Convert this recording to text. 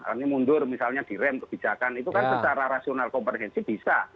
ini mundur misalnya direm kebijakan itu kan secara rasional komprehensi bisa